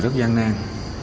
rất gian nan